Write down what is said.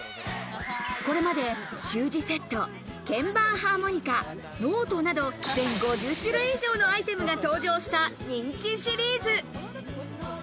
これまで、習字セット、鍵盤ハーモニカ、ノートなど、５０種類以上のアイテムが登場した人気シリーズ。